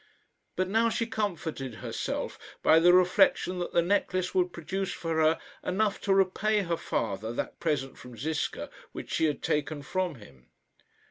But now she comforted herself by the reflection that the necklace would produce for her enough to repay her father that present from Ziska which she had taken from him.